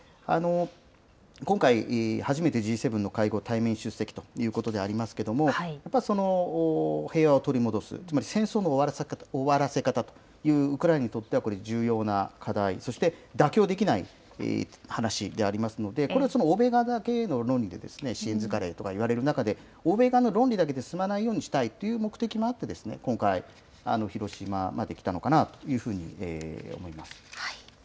今回初めてＧ７の会合に対面出席ということでありますけれども、やっぱり平和を取り戻す、つまり戦争の終わらせ方という、ウクライナにとっては重要な課題、そして妥協できない話でありますので、これは欧米側だけの論理で支援疲れとかいわれる中で、欧米側の論理だけで進まないようにしたいという目的もあって、今回、広島まで来たのかなというふうに思います。